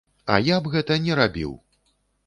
А я б гэта не рабіў!